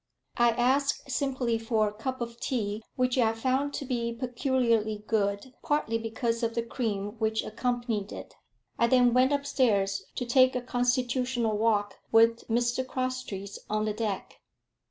I asked simply for a cup of tea, which I found to be peculiarly good, partly because of the cream which accompanied it. I then went up stairs to take a constitutional walk with Mr Crosstrees on the deck.